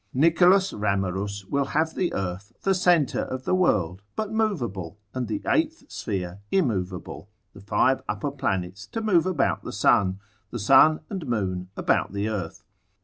Nicholas Ramerus will have the earth the centre of the world, but movable, and the eighth sphere immovable, the five upper planets to move about the sun, the sun and moon about the earth.